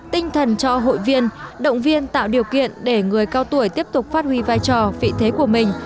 tinh thần cho hội viên động viên tạo điều kiện để người cao tuổi tiếp tục phát huy vai trò vị thế của mình